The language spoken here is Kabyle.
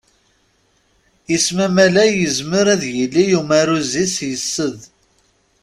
Isem amalay yezmer ad yili umaruz -is yessed.